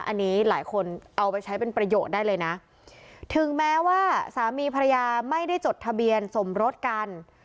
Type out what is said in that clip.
อันนี้หลายคนเอาไปใช้เป็นประโยชน์ได้เลยนะถึงแม้ว่าสามีภรรยาไม่ได้จดทะเบียนสมรสกัน